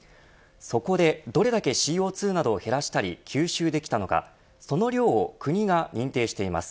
そこで、どれだけＣＯ２などを減らしたり吸収できたのかその量を国が認定しています。